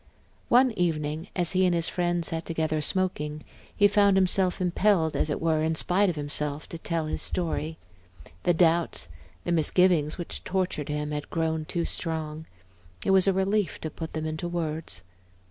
One evening, as he and his friend sat together smoking, he found himself impelled, as it were, in spite of himself, to tell his story. The doubts, the misgivings which tortured him had grown too strong; it was a relief to put them into words.